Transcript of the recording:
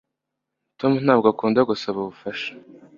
Tom ntabwo akunda gusaba ubufasha